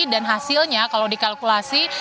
dan hasilnya kalau dikalkulasi